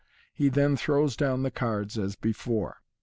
He then throws down the cards as before.